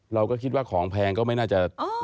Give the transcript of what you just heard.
เราก็คิดว่าของแพงก็ไม่น่าจะ